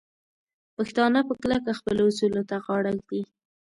پښتانه په کلکه خپلو اصولو ته غاړه ږدي.